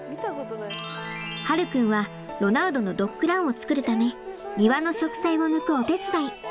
葉琉君はロナウドのドッグランを作るため庭の植栽を抜くお手伝い。